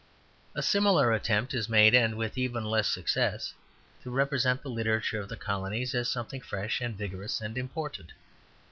A similar attempt is made, and with even less success, to represent the literature of the colonies as something fresh and vigorous and important.